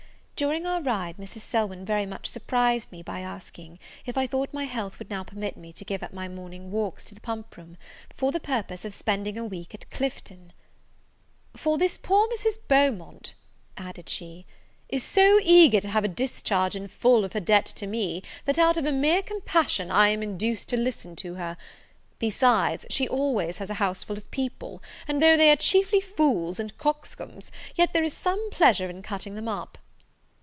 During our ride, Mrs. Selwyn very much surprised me, by asking, if I thought my health would now permit me to give up my morning walks to the pump room, for the purpose of spending a week at Clifton? "for this poor Mrs. Beaumont," added she, "is so eager to have a discharge in full of her debt to me, that out of mere compassion, I am induced to listen to her. Besides, she has always a house full of people; and, though they are chiefly fools and cox combs, yet there is some pleasure in cutting them up."